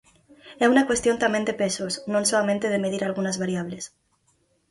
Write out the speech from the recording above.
É unha cuestión tamén de pesos, non soamente de medir algunhas variables.